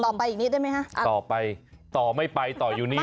ต่อไปต่อไม่ไปต่อยูนี่